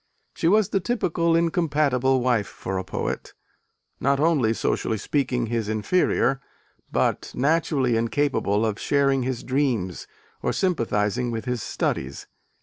She was the typical incompatible wife for a poet: not only, socially speaking, his inferior, but naturally incapable of sharing his dreams or sympathising with his studies.